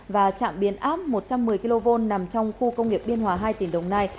và trạm biến áp một trăm một mươi kv nằm trong khu công nghiệp biên hòa hai tỉnh đồng nai